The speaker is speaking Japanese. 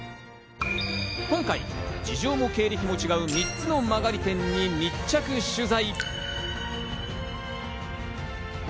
今回、事情も経歴も違う３つの間借り店に密着取材。